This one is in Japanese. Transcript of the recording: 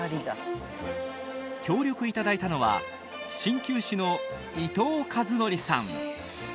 協力いただいたのは鍼灸師の伊藤和憲さん。